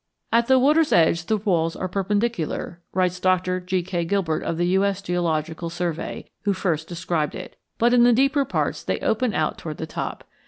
"At the water's edge the walls are perpendicular," writes Doctor G.K. Gilbert, of the U.S. Geological Survey, who first described it, "but in the deeper parts they open out toward the top.